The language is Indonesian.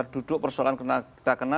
duduk persoalan kita kena